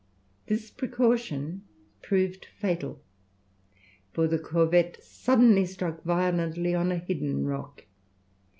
This precaution proved fatal, for the corvette suddenly struck violently on a hidden rock.